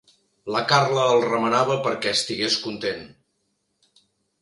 La Carla el remenava perquè estigués content.